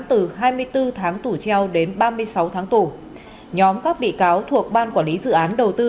từ hai mươi bốn tháng tù treo đến ba mươi sáu tháng tù nhóm các bị cáo thuộc ban quản lý dự án đầu tư